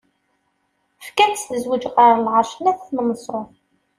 Fkan-tt tezwzǧ ar Lɛerc n At Menṣuṛ.